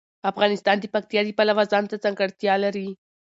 افغانستان د پکتیا د پلوه ځانته ځانګړتیا لري.